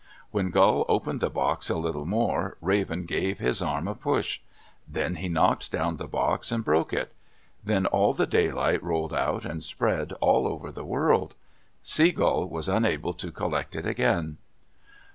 When Gull opened the box a little more, Raven gave his arm a push. Thus he knocked down the box and broke it. Then all the daylight rolled out and spread all over the world. Sea Gull was unable to collect it again.